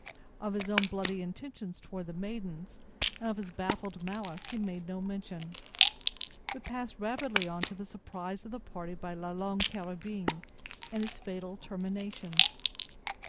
Of his own bloody intentions toward the maidens, and of his baffled malice he made no mention, but passed rapidly on to the surprise of the party by "La Longue Carabine," and its fatal termination.